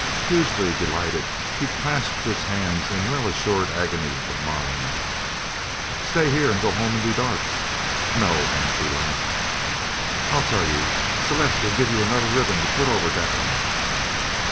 Hugely delighted, he clasped his hands in well assumed agony of mind. "Stay here and go home in de dark?" "No," Hansie laughed. "I'll tell you. Celeste will give you anudder ribbon to put over dat one."